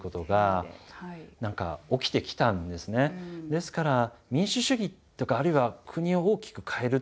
ですから民主主義とかあるいは国を大きく変える